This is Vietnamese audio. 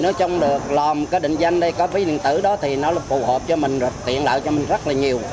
nói chung được lòm cái định danh đây có ví điện tử đó thì nó là phù hợp cho mình tiện lợi cho mình rất là nhiều